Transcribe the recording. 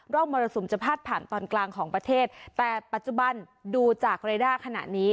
มรสุมจะพาดผ่านตอนกลางของประเทศแต่ปัจจุบันดูจากเรด้าขณะนี้